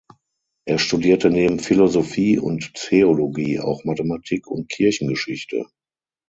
Er studierte neben Philosophie und Theologie auch Mathematik und Kirchengeschichte.